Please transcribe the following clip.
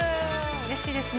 うれしいですね。